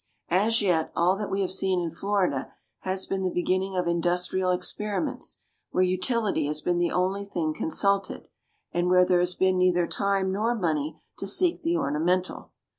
As yet, all that we have seen in Florida has been the beginning of industrial experiments, where utility has been the only thing consulted, and where there has been neither time nor money to seek the ornamental.